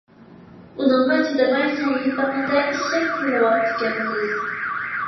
ئۇنىڭغا چىدىماي سەھىپىڭىزدە ئىششەك تىللىۋاپتىكەنسىز.